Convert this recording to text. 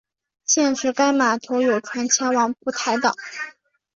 现时该码头有船前往蒲台岛。